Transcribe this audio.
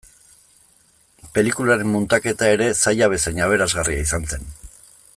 Pelikularen muntaketa ere zaila bezain aberasgarria izan zen.